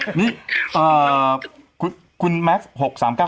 ฉันอายมากหนูฉันอายมาก